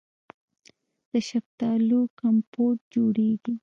د شفتالو کمپوټ جوړیږي.